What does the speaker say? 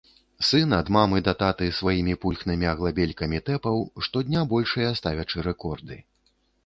Сын ад мамы да таты сваімі пульхнымі аглабелькамі тэпаў, штодня большыя ставячы рэкорды.